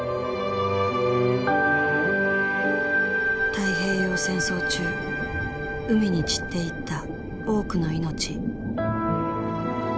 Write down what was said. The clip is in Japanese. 太平洋戦争中海に散っていった多くの命。